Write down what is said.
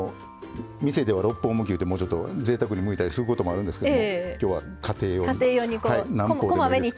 店では六方むき言うてもうちょっとぜいたくにむいたりすることもあるんですけども今日は家庭用に何方でもいいです。